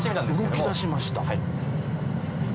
動きだしました。